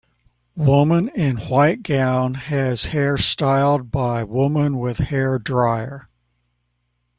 Woman in white gown has hair styled by woman with hair dryer.